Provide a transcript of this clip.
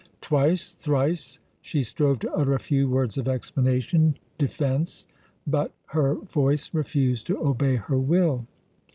Twice, thrice she strove to utter a few words of explanation, defence, but her voice refused to obey her will.